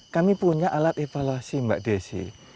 kami punya alat evaluasi mbak desi